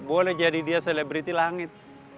boleh jadi dia selebriti langit